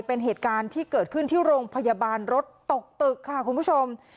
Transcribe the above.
เป็นเหตุการณ์ที่เกิดขึ้นที่โรงพยาบาลรถตกตึกค่ะคุณผู้ชม